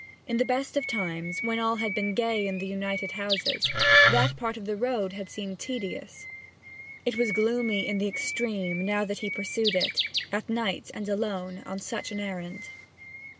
In the best of times, when all had been gay in the united houses, that part of the road had seemed tedious. It was gloomy in the extreme now that he pursued it, at night and alone, on such an errand.